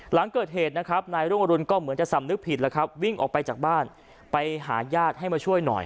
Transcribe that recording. หลังเกิดเหตุนะครับนายรุ่งอรุณก็เหมือนจะสำนึกผิดแล้วครับวิ่งออกไปจากบ้านไปหาญาติให้มาช่วยหน่อย